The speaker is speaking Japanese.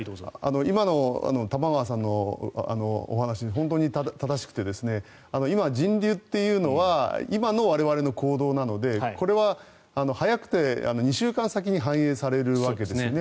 今の玉川さんのお話は本当に正しくて今、人流というのは今の我々の行動なのでこれは早くて２週間先に反映されるわけですよね。